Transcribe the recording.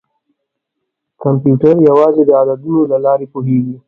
کمپیوټر یوازې د عددونو له لارې پوهېږي.